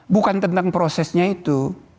bukan tentang prosesnya itu